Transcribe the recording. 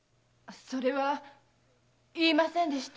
それは言いませんでした。